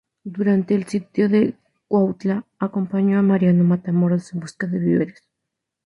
Durante el Sitio de Cuautla, acompañó a Mariano Matamoros en busca de víveres.